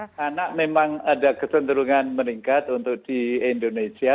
iya anak memang ada kesenderungan meningkat untuk di indonesia